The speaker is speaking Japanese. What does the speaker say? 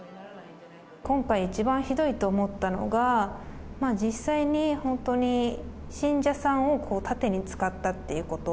今回一番ひどいと思ったのが、実際に、本当に信者さんを盾に使ったっていうこと。